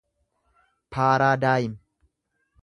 paaraadaayim